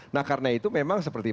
nah karena itu memang seperti